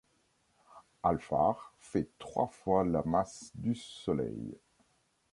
Alphard fait trois fois la masse du Soleil.